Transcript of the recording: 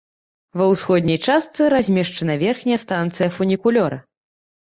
Ва ўсходняй частцы размешчана верхняя станцыя фунікулёра.